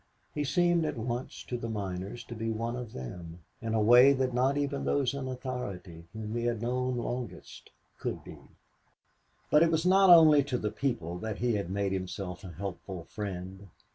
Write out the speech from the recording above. He seemed at once to the miners to be one of them in a way that not even those in authority whom they had known longest could be. But it was not only to the people that he had made himself a helpful friend.